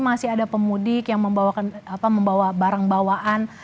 masih ada pemudik yang membawa barang bawaan